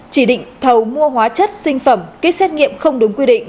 chỉ định thầu mua hóa chất sinh phẩm kýt xét nghiệm không đúng quy định